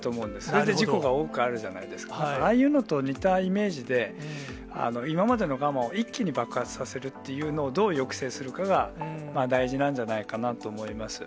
それで事故が多くあるじゃないですか、ああいうのと似たイメージで、今までの我慢を一気に爆発させるというのを、どう抑制するかが、大事なんじゃないかなと思います。